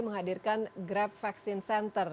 menghadirkan grab vaksin center